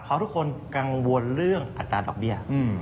เพราะทุกคนกังวลเรื่องอัตราดอกเบี้ย